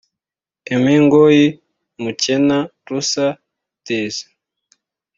Aimé Ngoi-Mukena Lusa-Diese